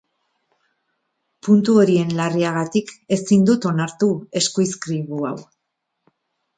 Puntu horien larriagatik, ezin dut onartu eskuizkribu hau.